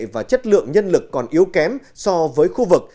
và chất lượng nhân lực còn yếu kém so với khu vực